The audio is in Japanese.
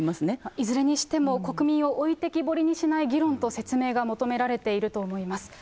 いずれにしても、国民を置いてきぼりにしない議論と説明が求められていると思います。